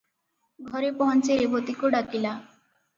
ଘରେ ପହଞ୍ଚି ରେବତୀକୁ ଡାକିଲା ।